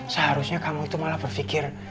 seharusnya kamu itu malah berpikir